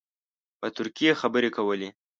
په ترکي خبرې کولې.